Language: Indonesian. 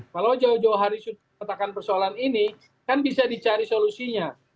kalau jauh jauh hari sudah katakan persoalan ini kan bisa dicari solusinya